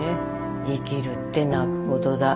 生きるって泣くことだ。